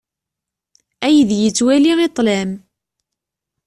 Aydi yettwali i ṭṭlam.